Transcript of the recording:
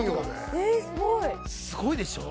すごいでしょ。